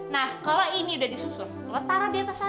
nah kalau ini udah disusun taruh di atas sana